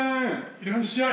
いらっしゃい。